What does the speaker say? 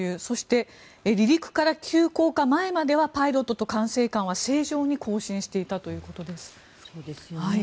そして、離陸から急降下前まではパイロットと管制官は正常に交信していたということです。